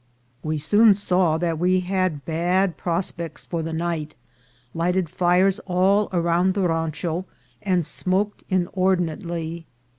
We soon saw that we had 24 278 INCIDENTS OF TRAVEL. bad prospects for the night, lighted fires all around the rancho, and smoked inordinately.